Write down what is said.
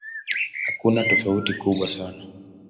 Hakuna tofauti kubwa sana.